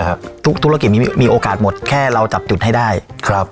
ทุกธุรกิจมีมีโอกาสหมดแค่เราจับจุดให้ได้ครับ